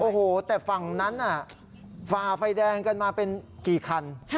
โอ้โหแต่ฝั่งนั้นน่ะฝ่าไฟแดงกันมาเป็นกี่คัน